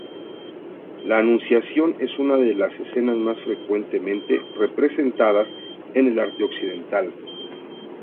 La Anunciación es una de las escenas más frecuentemente representadas en el arte occidental.